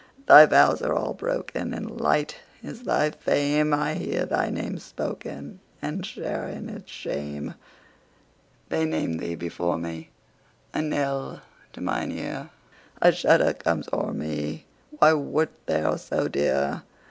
Thy vows are all broken, And light is thy fame:I hear thy name spokenAnd share in its shame. They name thee before me,A knell to mine ear;A shudder comes o'er me—Why wert thou so dear?